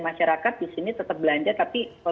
masyarakat di sini tetap belanja tapi